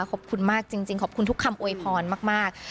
ขอบคุณมากจริงขอบคุณทุกคำอวยพรมาก